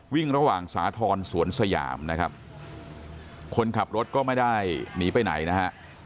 วิ่งระหว่างสาธรณ์สวนสยามนะครับคนขับรถก็ไม่ได้หนีไปไหนนะฮะ